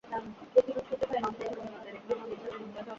বেশির ভাগ ক্ষেত্রে পায়ের নিচে কড়া পড়ার কারণ ভুল জুতার ব্যবহার।